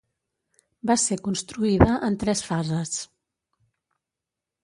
Va ser construïda en tres fases.